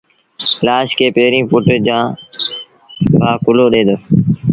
لآش کي پيريݩ پُٽ جآݩ ڀآ ڪُلهو ڏيݩ دآ